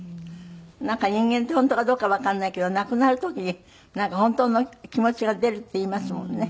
なんか人間って本当かどうかわかんないけど亡くなる時に本当の気持ちが出るっていいますもんね。